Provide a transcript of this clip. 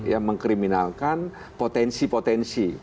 ya mengkriminalkan potensi potensi